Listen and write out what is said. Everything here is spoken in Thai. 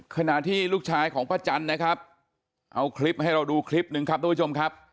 ขณะที่ลูกชายของป้าจันนะครับเอาคลิปให้เราดูคลิปหนึ่งครับทุกผู้ชมครับ